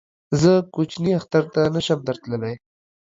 زه کوچني اختر ته نه شم در تللی